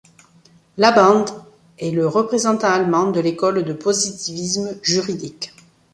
Laband est le représentant allemand de l'école de positivisme juridique.